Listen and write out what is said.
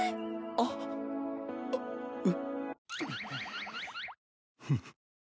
あっうう。